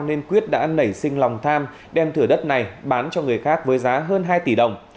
nên quyết đã nảy sinh lòng tham đem thửa đất này bán cho người khác với giá hơn hai tỷ đồng